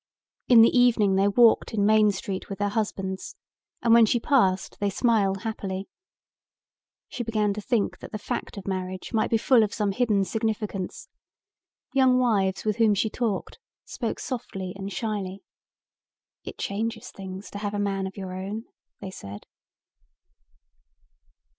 In the evening they walked in Main Street with their husbands and when she passed they smiled happily. She began to think that the fact of marriage might be full of some hidden significance. Young wives with whom she talked spoke softly and shyly. "It changes things to have a man of your own," they said.